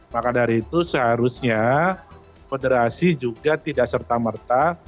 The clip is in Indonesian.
maka dari itu seharusnya federasi juga tidak serta merta